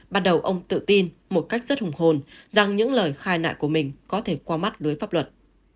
ban đầu ông tự tin một cách rất hùng hồn rằng những lời khai nại của mình có thể qua mắt với pháp luật